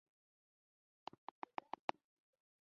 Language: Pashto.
د اردن د ډېرو خلکو پیشه ټوریزم ده.